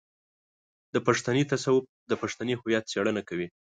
د پښتني تصوف د پښتني هويت څېړنه کوي.